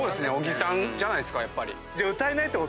小木さんじゃないっすかやっぱり。